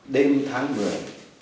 đêm tháng rời